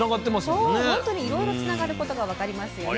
そうほんとにいろいろつながることが分かりますよね。